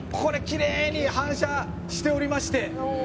「これきれいに反射しておりまして」